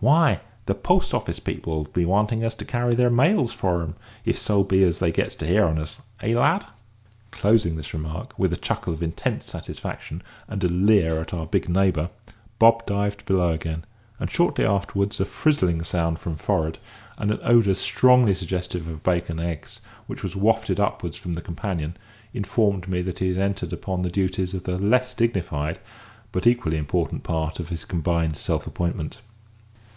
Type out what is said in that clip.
Why, the post office people 'll be wanting us to carry their mails for 'em, if so be as they gets to hear on us, eh, lad?" Closing this remark with a chuckle of intense satisfaction and a leer at our big neighbour, Bob dived below again; and shortly afterwards a frizzling sound from forward, and an odour strongly suggestive of bacon and eggs, which was wafted upwards from the companion, informed me that he had entered upon the duties of the less dignified but equally important part of his combined self appointment.